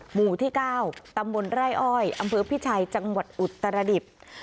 หมู่ที่๙ตำบลไร่อ้อยอำเภอพิชัยจังหวัดอุตรดิษฐ์